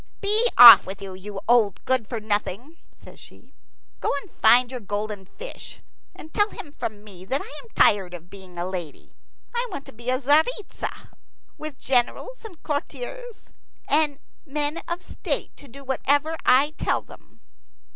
"Be off with you, you old good for nothing!" says she. "Go and find your golden fish, and tell him from me that I am tired of being a lady. I want to be Tzaritza, with generals and courtiers and men of state to do whatever I tell them."